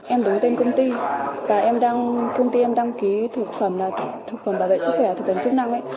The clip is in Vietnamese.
em đứng tên công ty và công ty em đăng ký thực phẩm bảo vệ sức khỏe thực phẩm chức năng